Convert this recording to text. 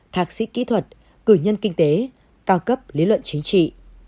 thạc sĩ kỹ thuật cử nhân kinh tế cao cấp lý luận chính trị